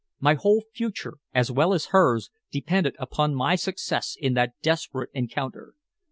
My whole future, as well as hers, depended upon my success in that desperate encounter.